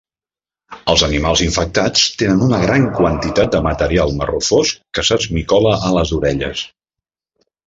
Els animals infectats tenen una gran quantitat de material marró fosc que s'esmicola a les orelles.